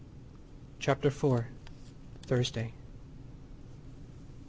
CHAPTER IV. THURSDAY.